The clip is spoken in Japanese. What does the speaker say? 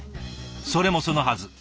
それもそのはず。